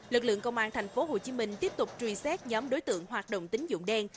lực lượng công an tp hcm tiếp tục truy xét nhóm đối tượng hoạt động tính dụng đen